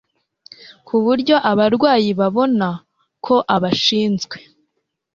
ku buryo abarwayi babona ko abashinzwe